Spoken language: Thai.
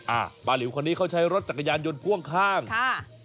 อ่าบาหลิวคนนี้เขาใช้รถจักรยานยนต์พ่วงข้างค่ะ